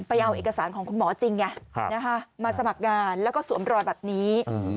เอาเอกสารของคุณหมอจริงไงมาสมัครงานแล้วก็สวมรอยแบบนี้